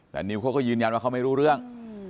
แต่นิวเขาก็ยืนยันว่าเขาไม่รู้เรื่อง